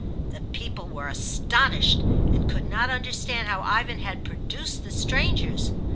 The people were astonished and could not understand how Ivan had produced the strangers.